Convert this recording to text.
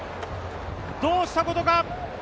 どうしたことか。